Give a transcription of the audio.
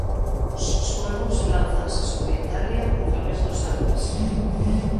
Os suevos lánzanse sobre Italia a través dos Alpes.